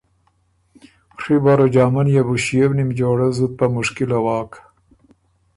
ڒی بره جامه نيې بُو ݭيې و نیم جوړۀ زُت په مُشکِله واک۔